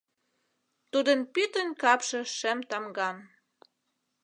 Тудын пӱтынь капше шем тамган.